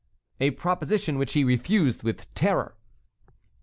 "A proposition which he refused with terror."